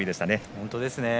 本当ですね。